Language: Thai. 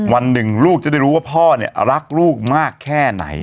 วันหนึ่งลูกจะได้รู้ว่าพ่อเนี่ยรักลูกมากแค่ไหน